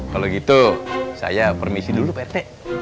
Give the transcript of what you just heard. kalau gitu saya permisi dulu pt